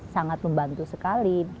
sangat membantu sekali